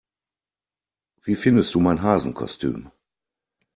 Wie findest du mein Hasenkostüm?